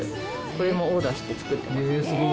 これもオーダーして作ってます。